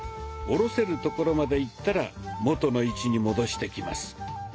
下ろせるところまでいったら元の位置に戻してきます。